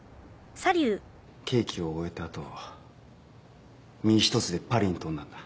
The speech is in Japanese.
刑期を終えたあと身一つでパリに飛んだんだ。